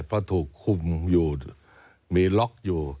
เพราะถูกคุมอยู่มีล็อกอยู่